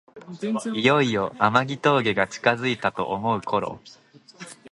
いよいよ天城峠が近づいたと思うころ